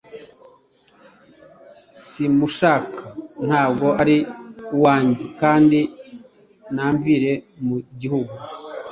Simushaka, ntabwo ari uwange! Kandi namvire mu gihugu!"